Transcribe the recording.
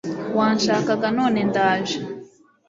Wanshakaga none ndaje